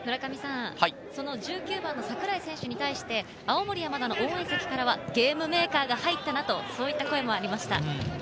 その１９番の櫻井選手に対して、青森山田、応援席からはゲームメーカーが入ったなとそういった声もありました。